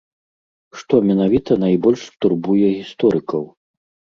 Што менавіта найбольш турбуе гісторыкаў?